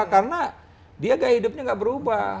karena dia gaya hidupnya gak berubah